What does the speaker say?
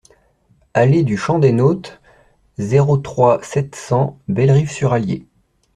Allée du Champ des Nôtes, zéro trois, sept cents Bellerive-sur-Allier